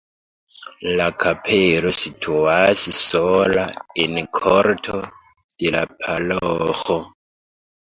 La kapelo situas sola en korto de la paroĥo.